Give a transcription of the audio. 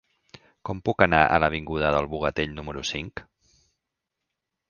Com puc anar a l'avinguda del Bogatell número cinc?